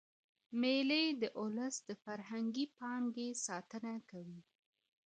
مېلې د اولس د فرهنګي پانګي ساتنه کوي.